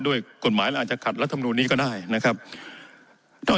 ด้วยกฎหมายอาจจะขัดรัฐมนุนนี้ก็ได้นะครับนอกจาก